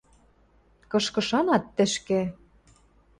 – Кышкы шанат, тӹшкӹ.